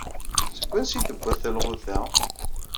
Seg wansi i d-tewwi talɣut-a?